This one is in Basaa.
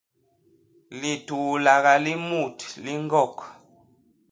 Lituulaga li mut, li ñgok.